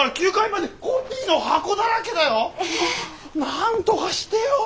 なんとかしてよ。